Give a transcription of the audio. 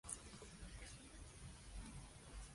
El plano va y viene entre Matt Tuck y el resto de la banda.